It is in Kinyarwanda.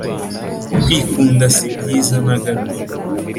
kwikunda sibyiza nagato